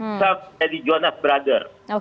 bisa menjadi jonas brothers